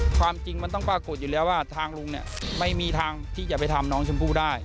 ความจริงมันต้องปรากฏอยู่แล้วว่าทางลุงเนี่ยไม่มีทางที่จะไปทำน้องชมพู่ได้